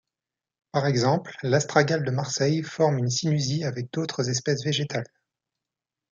Par exemple, l'astragale de Marseille forme une synusie avec d'autres espèces végétales.